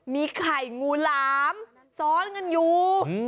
มีไข่งูหลามซ้อนกันอยู่